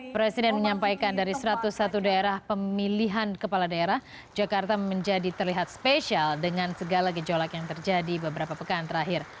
presiden menyampaikan dari satu ratus satu daerah pemilihan kepala daerah jakarta menjadi terlihat spesial dengan segala gejolak yang terjadi beberapa pekan terakhir